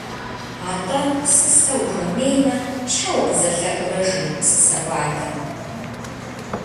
Атӏэ, псысэ ухуэмеймэ, щхьэ укъызэлъэӏурэ? - жи псысэӏуатэм.